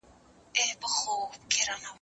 إِنَّ الشَّيْطَانَ لِلْإِنسَانِ عَدُوٌّ مُّبِينٌ.